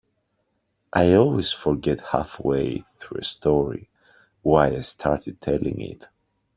I always forget halfway through a story why I started telling it.